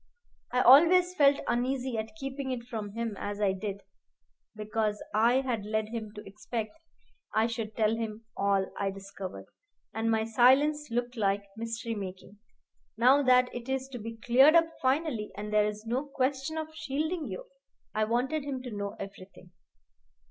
I always felt uneasy at keeping it from him as I did, because I had led him to expect I should tell him all I discovered, and my silence looked like mystery making. Now that it is to be cleared up finally, and there is no question of shielding you, I wanted him to know everything.